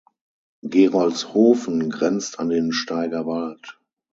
Gerolzhofen grenzt an den Steigerwald.